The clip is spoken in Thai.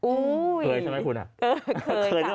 อุ้ยเคยใช่ไหมคุณอะเคยใช่ไหมคุณอะ